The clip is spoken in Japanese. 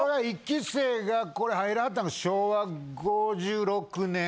１期生がこれ入りはったんが昭和５６年。